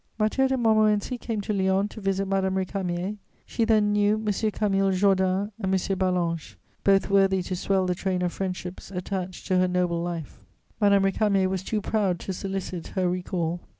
Mathieu de Montmorency came to Lyons to visit Madame Récamier. She then knew M. Camille Jordan and M. Ballanche, both worthy to swell the train of friendships attached to her noble life. Madame Récamier was too proud to solicit her recall.